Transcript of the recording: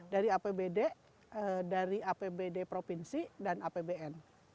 dari apbd dari apbd provinsi dan apbn